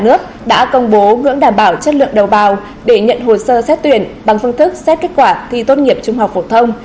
nhà nước đã công bố ngưỡng đảm bảo chất lượng đầu vào để nhận hồ sơ xét tuyển bằng phương thức xét kết quả thi tốt nghiệp trung học phổ thông